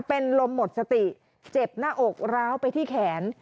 เป็นลมหมดสติเจ็บหน้าอกร้าวไปที่แขน